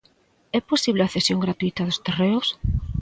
É posible a cesión gratuíta dos terreos?